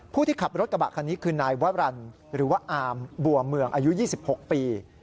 ผู้ที่ขับรถกระบะคันนี้คือนายวรรณหรือว่าอามบัวเมืองอายุ๒๖ปี